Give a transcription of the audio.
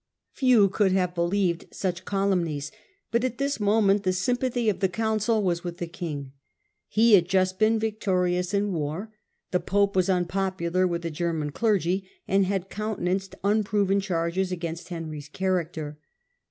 Few could have believed such calumnies, but at this moment the sympathy of the council was with the king. He had just been victorious in war ; the pope was un popular with the German clergy, and had countenanced unproven charges against Henry's character.